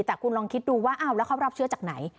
แต่คุณลองคิดดูว่าอ้าวแล้วเขารับเชื้อจากไหน